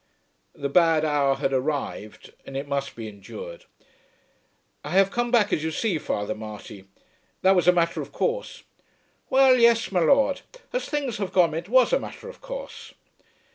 The bad hour had arrived, and it must be endured. "I have come back, as you see, Father Marty. That was a matter of course." "Well, yes, my Lord. As things have gone it was a matter of course."